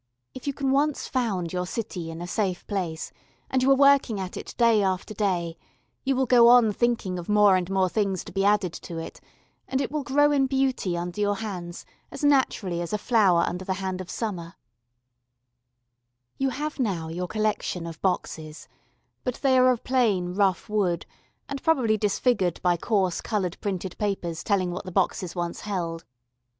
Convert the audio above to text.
If you can once found your city in a safe place, and you are working at it day after day, you will go on thinking of more and more things to be added to it, and it will grow in beauty under your hands as naturally as a flower under the hand of summer. [Illustration: BOXES.] You have now your collection of boxes but they are of plain, rough wood, and probably disfigured by coarse coloured printed papers telling what the boxes once held.